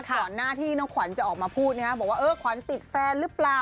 ก่อนหน้าที่น้องขวัญจะออกมาพูดบอกว่าเออขวัญติดแฟนหรือเปล่า